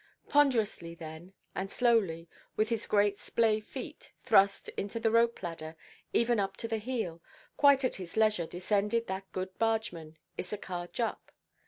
Ponderously then and slowly, with his great splay feet thrust into the rope–ladder, even up to the heel, quite at his leisure descended that good bargeman, Issachar Jupp.